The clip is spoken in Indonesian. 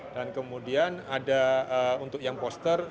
dan kemudian ada untuk yang poster